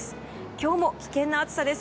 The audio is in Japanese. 今日も危険な暑さです